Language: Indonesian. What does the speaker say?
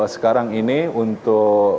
sekarang ini untuk